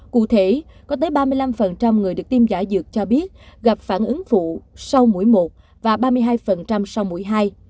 cụ thể có tới ba mươi năm người được tiêm giả dược cho biết gặp phản ứng phụ sau mũi một và ba mươi hai sau mũi hai